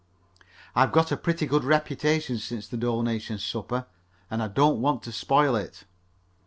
I've got a pretty good reputation since the donation supper, and I don't want to spoil it."